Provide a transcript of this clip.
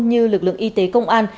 như lực lượng y tế công an